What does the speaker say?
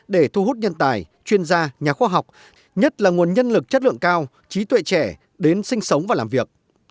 để thu hút nhân tài chuyên gia nhà khoa học nhất là nguồn nhân lực chất lượng cao trí tuệ trẻ đến sinh sống và làm việc